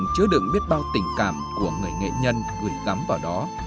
nhưng chứa đựng biết bao tình cảm của người nghệ nhân gửi tắm vào đó